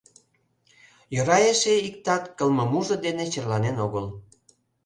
Йӧра эше иктат кылмымужо дене черланен огыл.